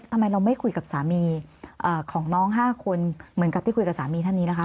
ทำไมเราไม่คุยกับสามีของน้อง๕คนเหมือนกับที่คุยกับสามีท่านนี้นะคะ